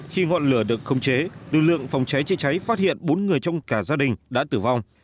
khi ngọn lửa được không chế lực lượng phòng cháy chữa cháy phát hiện bốn người trong cả gia đình đã tử vong